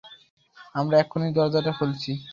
আমরা এক্ষুনি দরজাটা খুলছি!